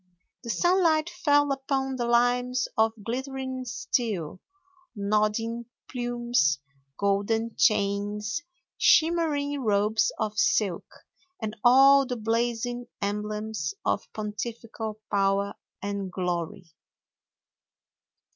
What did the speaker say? The sunlight fell upon the lines of glittering steel, nodding plumes, golden chains, shimmering robes of silk, and all the blazing emblems of pontifical power and glory.